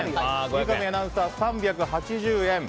三上アナウンサー、３８０円。